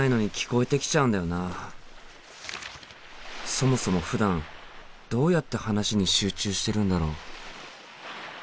そもそもふだんどうやって話に集中してるんだろう？